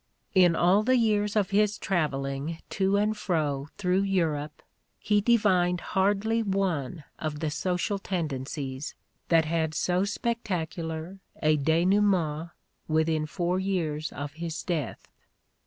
In all the years of his traveling to and fro through Europe he divined hardly one of the social tendencies that had so spectacular a denouement within four years of his death.